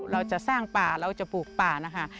เราจะสร้างป่าเราจะปลูกป่านะคะ